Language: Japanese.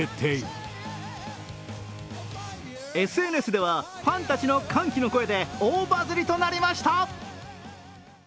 ＳＮＳでは、ファンたちの歓喜の声で大バズりとなりました。